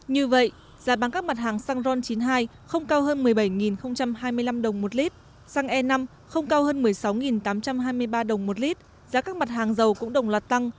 như vậy giá bán các mặt hàng xăng ron chín mươi hai không cao hơn một mươi bảy hai mươi năm đồng một lít xăng e năm không cao hơn một mươi sáu tám trăm hai mươi ba đồng một lít giá các mặt hàng dầu cũng đồng loạt tăng